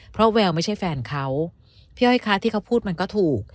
เพราะแววไม่ใช่แฟนเขาพี่อ้อยคะที่เขาพูดมันก็ถูก